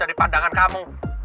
dari pandangan kamu